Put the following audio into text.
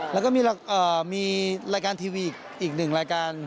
แล้วก็มีรายการทีวีอีกหนึ่งรายการ